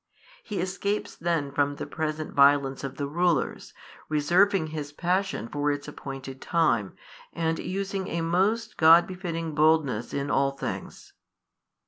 He escapes then from the present violence of the rulers, reserving His Passion for its appointed time, and using a most God befitting boldness in all things.